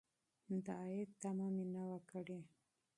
د عاید تمه مې نه وه کړې.